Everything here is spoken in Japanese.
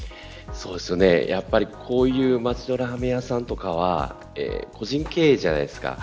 こういう町のラーメン屋さんとかは個人経営じゃないですか。